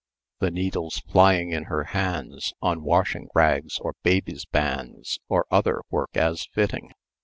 The needles flying in her hands, On washing rags or baby's bands, Or other work as fitting?